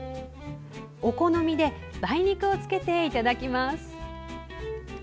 お好みで梅肉をつけていただきます。